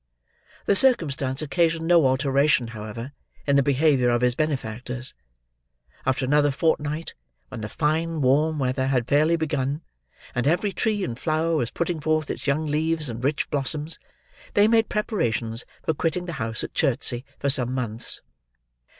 The circumstance occasioned no alteration, however, in the behaviour of his benefactors. After another fortnight, when the fine warm weather had fairly begun, and every tree and flower was putting forth its young leaves and rich blossoms, they made preparations for quitting the house at Chertsey, for some months.